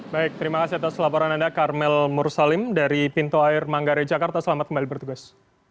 baik terima kasih atas laporan anda karmel mursalim dari pintu air manggare jakarta selamat kembali bertugas